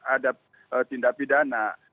ada tindak pidana